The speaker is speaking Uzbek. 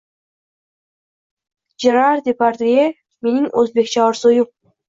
Jerar Depardye:“Mening oʻzbekcha orzuim!”